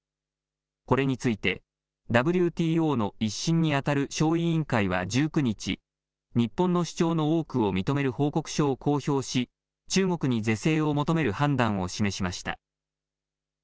これについてＷＴＯの１審にあたる小委員会は１９日、日本の主張の多くを認める報告書を公表し中国に是正を求める判断を示しました。